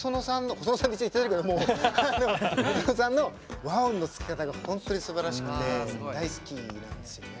細野さんって言ってるけど細野さんの和音のつけ方が本当にすばらしくて大好きなんですよね。